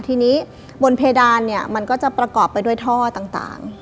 ทีนี้บนเพดานเนี่ยมันก็จะประกอบไปด้วยท่อต่าง